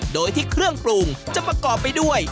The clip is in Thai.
โดยที่เครื่องปรุงจะประกอบไปด้วย